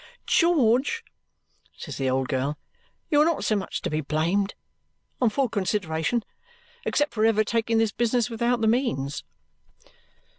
"George," says the old girl, "you are not so much to be blamed, on full consideration, except for ever taking this business without the means."